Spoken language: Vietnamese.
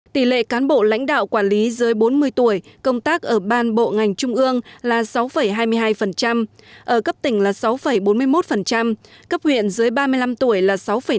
tỷ lệ cán bộ lãnh đạo quản lý dưới bốn mươi tuổi công tác ở ban bộ ngành trung ương là sáu hai mươi hai ở cấp tỉnh là sáu bốn mươi một cấp huyện dưới ba mươi năm tuổi là sáu bảy